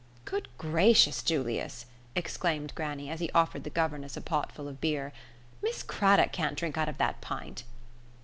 "Good gracious, Julius!" exclaimed grannie, as he offered the governess a pot full of beer, "Miss Craddock can't drink out of that pint."